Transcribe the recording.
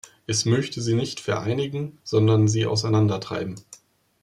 Es möchte sie nicht vereinigen, sondern sie auseinandertreiben.